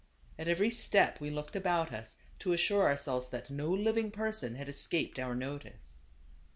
At every step we looked about us to assure ourselves that no living person had escaped our notice.